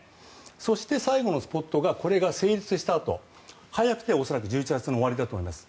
そして、最後のスポットがこれが成立したあと早くて１１月の終わりだと思います。